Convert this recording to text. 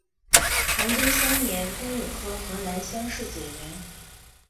崇祯三年庚午科河南乡试解元。